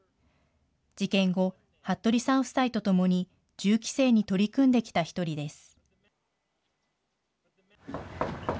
事件後、服部さん夫妻とともに銃規制に取り組んできた一人です。